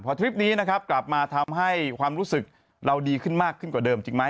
พอทริปนี้นะครับกลับมาทำให้ความรู้สึกเราดีขึ้นมากขึ้นกว่าเดิมจริงไหม